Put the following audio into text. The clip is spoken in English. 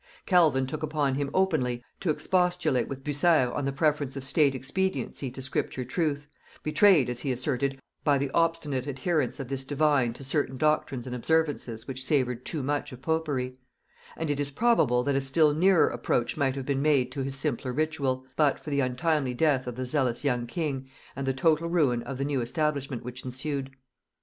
Calvin took upon him openly to expostulate with Bucer on the preference of state expediency to Scripture truth, betrayed, as he asserted, by the obstinate adherence of this divine to certain doctrines and observances which savoured too much of popery; and it is probable that a still nearer approach might have been made to his simpler ritual, but for the untimely death of the zealous young king, and the total ruin of the new establishment which ensued.